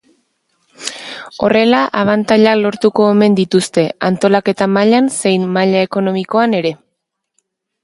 Horrela abantailak lortuko omen dituzte, antolaketa mailan zein maila ekonomikoan ere.